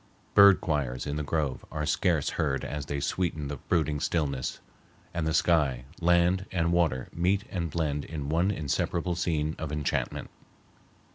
Bird choirs in the grove are scarce heard as they sweeten the brooding stillness; and the sky, land, and water meet and blend in one inseparable scene of enchantment.